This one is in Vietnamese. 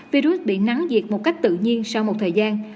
virus bị nắng diệt một cách tự nhiên sau một thời gian